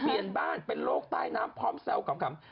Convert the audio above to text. เปลี่ยนบ้านเป็นโรคใต้น้ำพร้อมแซวขำ